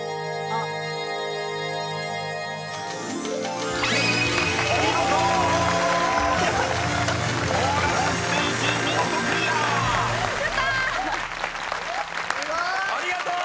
ありがとう！